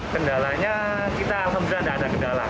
kendalanya kita alhamdulillah tidak ada kendala